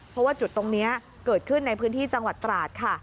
เพราะว่าจุดตรงนี้เกิดขึ้นในพื้นที่จังหวัดตราดค่ะ